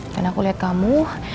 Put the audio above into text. dan aku liat kamu